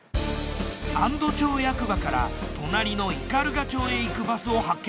安堵町役場から隣の斑鳩町へ行くバスを発見。